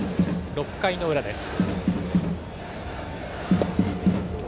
６回の裏です。